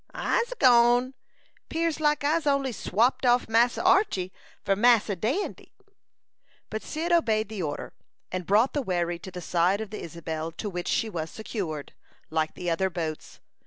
"I'se gone; 'pears like I'se only swapped off Massa Archy for Massa Dandy." But Cyd obeyed the order, and brought the wherry to the side of the Isabel, to which she was secured, like the other boats.